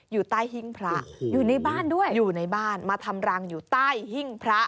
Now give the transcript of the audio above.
อยู่ใต้หิ้งพระอยู่ในบ้านด้วยอยู่ในบ้านมาทำรังอยู่ใต้หิ้งพระ